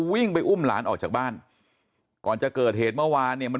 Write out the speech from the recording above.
วิ่งไปอุ้มหลานออกจากบ้านก่อนจะเกิดเหตุเมื่อวานเนี่ยมัน